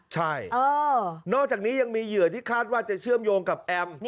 ใช่นอกจากนี้ยังมีเหยื่อที่คาดว่าจะเชื่อมโยงกับแอม